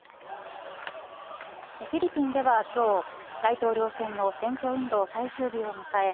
フィリピンでは今日、大統領選の選挙運動最終日を迎え